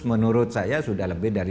menurut saya sudah lebih dari